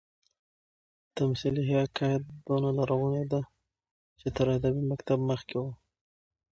تمثيلي حکایت دونه لرغونى دئ، چي تر ادبي مکتب مخکي وو.